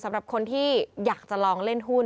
สำหรับคนที่อยากจะลองเล่นหุ้น